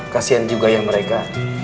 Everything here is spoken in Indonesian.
kasian juga ya mereka